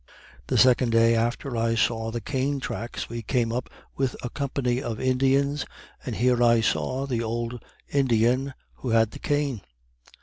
The second day after I saw the cane tracks, we came up with a company of Indians, and here I saw the old Indian who had the cane.